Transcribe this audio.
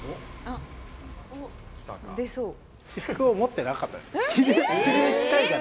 私服を持ってなかったです。